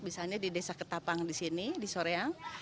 misalnya di desa ketapang di sini di soreang